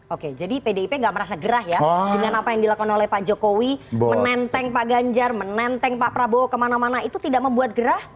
oke jadi pdip nggak merasa gerah ya dengan apa yang dilakukan oleh pak jokowi menenteng pak ganjar menenteng pak prabowo kemana mana itu tidak membuat gerah